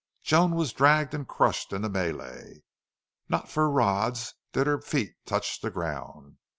Joan was dragged and crushed in the melee. Not for rods did her feet touch the ground.